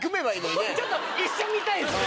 ちょっと一緒見たいですね。